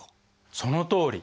そのとおり。